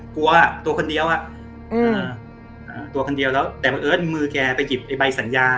กลัวตัวคนเดียวตัวคนเดียวแล้วแต่บังเอิญมือแกไปหยิบไอ้ใบสัญญา